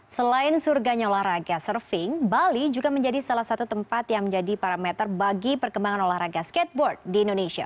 selain surganya olahraga surfing bali juga menjadi salah satu tempat yang menjadi parameter bagi perkembangan olahraga skateboard di indonesia